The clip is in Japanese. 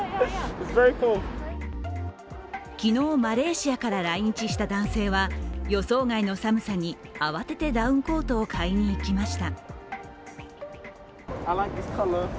昨日、マレーシアから来日した男性は予想外の寒さに慌ててダウンコートを買いに行きました。